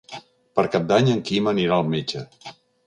Per Cap d'Any en Quim anirà al metge.